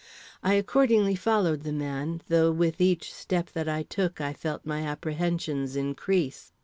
I accordingly followed the man, though with each step that I took I felt my apprehensions increase.